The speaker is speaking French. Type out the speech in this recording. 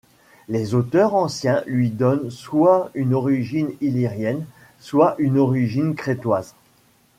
Les auteurs anciens lui donnent soit une origine illyrienne, soit une origine crétoise.